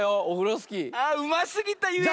あっうますぎたゆえに。